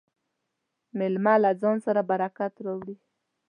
مېلمه له ځان سره برکت راوړي.